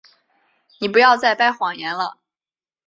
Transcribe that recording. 你不要再掰谎言了。